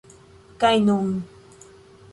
Kaj nun...